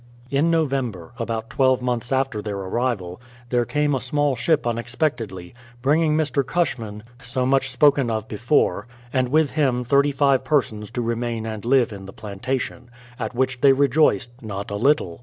In November, about 12 months after their arrival, there came a small ship unexpectedly, bringing Mr. Cushman (so much spoken of before), and with him 35 persons to remain and live in the plantation; at which they rejoiced not a little.